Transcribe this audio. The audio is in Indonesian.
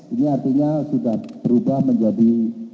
ini artinya sudah berubah menjadi